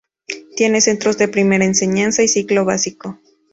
Tiene centros de primera enseñanza y ciclo básico.